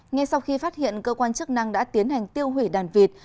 ngay sau khi phát hiện cơ quan chức năng đã tiến hành tiêu hủy đàn vịt